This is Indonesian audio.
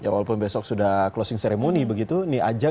walaupun besok sudah closing ceremony